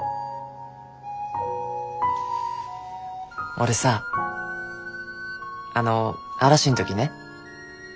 俺さあの嵐ん時ね